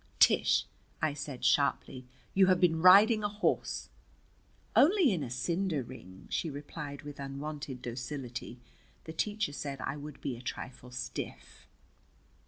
"Tish," I said sharply, "you have been riding a horse! "Only in a cinder ring," she replied with unwonted docility. "The teacher said I would be a trifle stiff."